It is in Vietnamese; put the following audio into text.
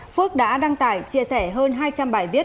phước đã đăng tải chia sẻ hơn hai trăm linh bài viết